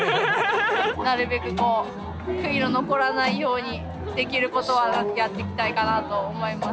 なるべくこう悔いの残らないようにできることはやっていきたいかなと思います。